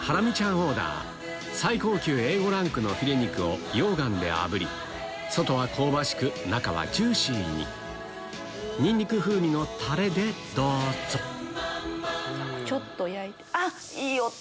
オーダー最高級Ａ５ランクのフィレ肉を溶岩であぶり外は香ばしく中はジューシーにニンニク風味のタレでどうぞちょっと焼いてあっいい音！